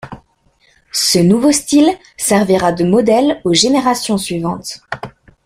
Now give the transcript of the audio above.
Ce nouveau style servira de modèle aux générations suivantes.